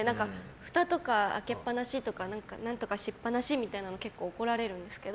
ふたとか開けっ放しとか何とかしっぱなしみたいなの結構怒られるんですけど。